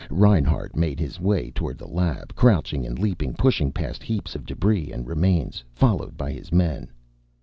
Reinhart made his way toward the lab, crouching and leaping, pushing past heaps of debris and remains, followed by his men.